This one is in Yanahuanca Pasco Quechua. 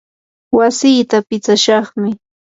wasiita pitsashaqmi.